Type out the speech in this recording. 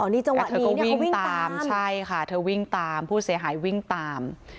นี่จังหวะเธอก็วิ่งตามใช่ค่ะเธอวิ่งตามผู้เสียหายวิ่งตาม